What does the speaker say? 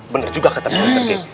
bener juga kata pesantren